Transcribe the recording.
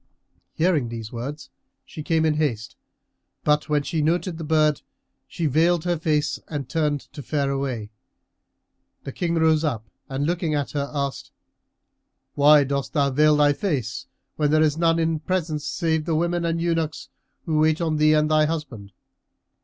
Hearing these words she came in haste; but, when she noted the bird, she veiled her face and turned to fare away. The King rose up and looking at her, asked, "Why dost thou veil thy face when there is none in presence save the women and eunuchs who wait on thee and thy husband?"